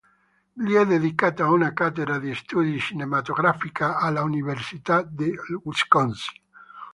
Gli è dedicata una cattedra di studi cinematografica alla Università del Wisconsin.